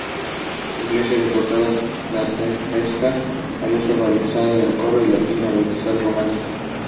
Some of her design work is held in the Auckland War Memorial Museum.